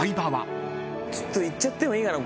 ちょっと行っちゃってもいいかな？